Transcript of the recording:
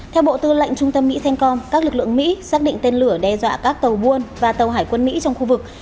theo bộ tư lệnh trung tâm mỹ cencom các lực lượng mỹ xác định tên lửa đe dọa các tàu buôn và tàu hải quân mỹ trong khu vực